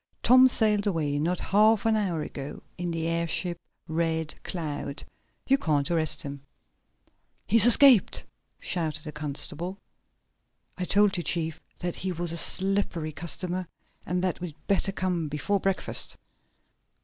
"Tom sailed away not half an hour ago in the airship Red Cloud! You can't arrest him!" "He's escaped!" shouted the constable. "I told you, chief, that he was a slippery customer, and that we'd better come before breakfast!"